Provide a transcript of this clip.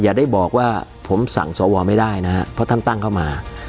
อย่าได้บอกว่าผมสั่งสวไม่ได้นะฮะเพราะท่านตั้งเข้ามา